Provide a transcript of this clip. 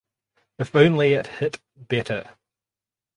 If only it hit better.